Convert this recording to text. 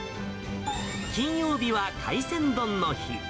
金曜日は海鮮丼の日。